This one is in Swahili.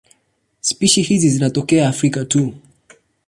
Spishi hizi zinatokea Afrika tu.